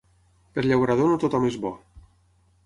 Per llaurador no tothom és bo.